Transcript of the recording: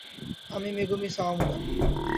আমি মেগুমি সাওয়ামুরা।